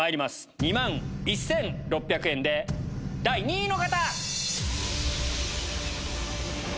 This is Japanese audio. ２万１６００円で第２位の方！